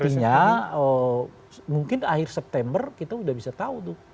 jadi artinya mungkin akhir september kita udah bisa tahu tuh